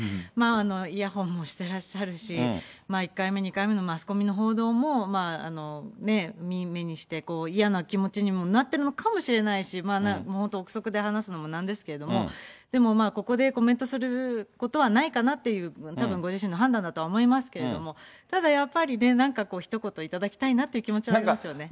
イヤホンもしてらっしゃるし、１回目、２回目のマスコミの報道も目にして、嫌な気持ちにもなってるのかもしれないし、本当、臆測で話すのもなんですけれども、でも、ここでコメントすることはないかなという、たぶん、ご自身の判断だとは思いますけれども、ただやっぱりね、なんかひと言頂きたいなという気持ちはありますよね。